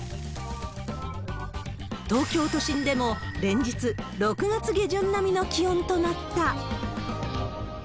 東京都心でも連日、６月下旬並みの気温となった。